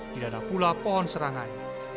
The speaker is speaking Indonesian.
tidak ada pula pohon serangan